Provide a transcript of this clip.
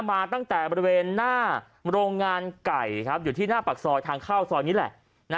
มาตั้งแต่บริเวณหน้าโรงงานไก่อยู่ที่หน้าปากซอยทางเข้าซอยนี้แหละ